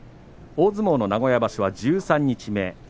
大相撲の名古屋場所は十三日目。